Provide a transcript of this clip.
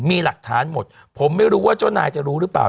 มีหลักฐานหมดผมไม่รู้ว่าเจ้านายจะรู้หรือเปล่า